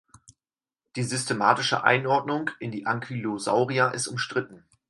Die systematische Einordnung in die Ankylosauria ist umstritten.